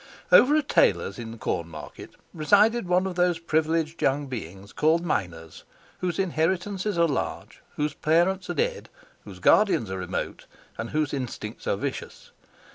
Over a tailor's in the Cornmarket resided one of those privileged young beings called minors, whose inheritances are large, whose parents are dead, whose guardians are remote, and whose instincts are vicious.